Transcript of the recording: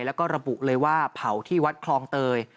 แล้วก็ระบุเลยว่าเผาที่วัดคลองเตย